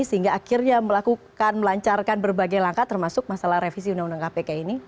sehingga akhirnya melakukan melancarkan berbagai langkah termasuk masalah revisi undang undang kpk ini